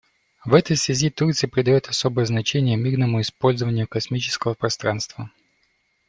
В этой связи Турция придает особое значение мирному использованию космического пространства.